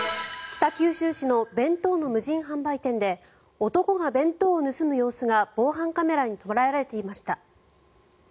北九州市の弁当の無人販売店で男が弁当を盗む様子が防犯カメラに捉えられていました。